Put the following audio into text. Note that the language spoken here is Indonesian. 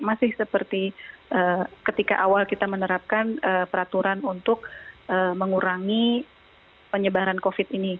masih seperti ketika awal kita menerapkan peraturan untuk mengurangi penyebaran covid ini